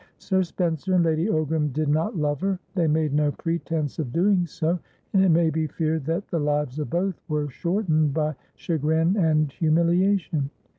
Sir Spencer and Lady Ogram did not love her; they made no pretence of doing so; and it may be feared that the lives of both were shortened by chagrin and humiliation.